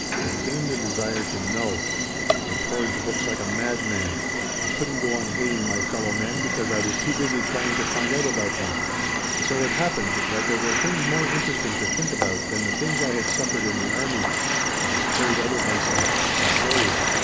There came the desire to know. I tore into books like a madman. I couldn't go on hating my fellow men because I was too busy trying to find out about them. And so it happened that there were things more interesting to think about than the things I had suffered in the army; I was carried out of myself and saved.